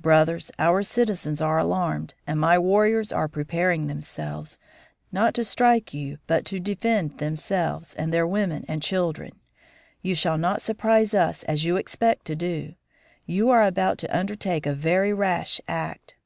Brothers, our citizens are alarmed, and my warriors are preparing themselves, not to strike you but to defend themselves, and their women and children. You shall not surprise us as you expect to do; you are about to undertake a very rash act.